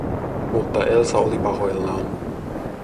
Mutta Elsa oli pahoillaan.